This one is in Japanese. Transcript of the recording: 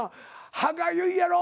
歯がゆいやろ。